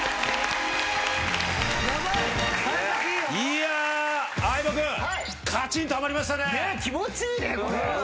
いや相葉君かちんとはまりましたね。